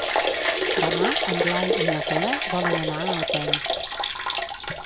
Demà en Blai i na Cora volen anar a Alpens.